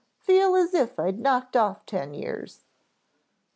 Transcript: "Feel as if I'd knocked off ten years."